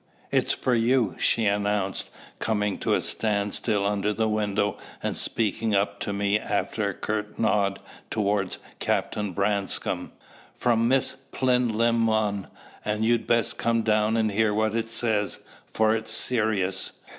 "It's for you," she announced, coming to a standstill under the window and speaking up to me after a curt nod towards Captain Branscome "from Miss Plinlimmon; and you'd best come down and hear what it says, for it's serious."